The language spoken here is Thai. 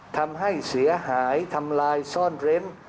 ทำให้เสียหายทำลายซ่อนเร้น